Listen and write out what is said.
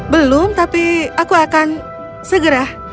belum tapi aku akan segera